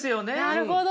なるほど。